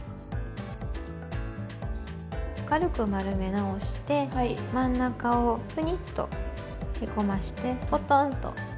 軽く丸め直して真ん中をふにっとへこましてポトンと。